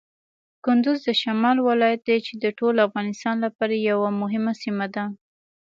کندز د شمال ولایت دی چې د ټول افغانستان لپاره یوه مهمه سیمه ده.